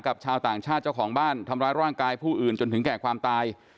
ชาวต่างชาติเจ้าของบ้านทำร้ายร่างกายผู้อื่นจนถึงแก่ความตาย